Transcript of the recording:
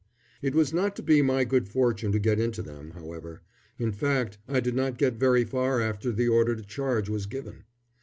It was not to be my good fortune to get into them, however; in fact, I did not get very far after the order to charge was given.